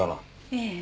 ええ。